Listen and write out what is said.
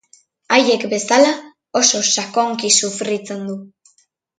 Haiek bezala, oso sakonki sufritzen du.